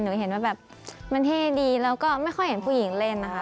เห็นว่าแบบมันเท่ดีแล้วก็ไม่ค่อยเห็นผู้หญิงเล่นนะคะ